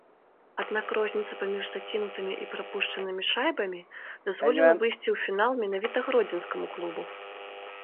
Аднак розніца паміж закінутымі і прапушчанымі шайбамі дазволіла выйсці ў фінал менавіта гродзенскаму клубу.